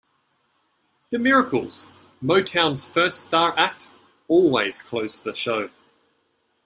The Miracles, Motown's first star act, always closed the show.